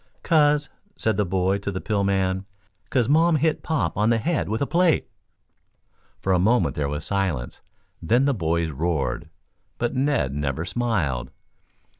"'Cause,' said the boy to the pill man, ''cause mom hit pop on the head with a plate.'" For a moment there was silence, then the boys roared. But Ned never smiled.